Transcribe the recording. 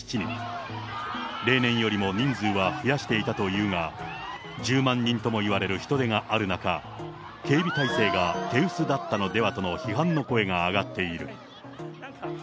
例年よりも人数は増やしていたというが、１０万人ともいわれる人出がある中、警備体制が手薄だったのではとの批判の声が上がっている。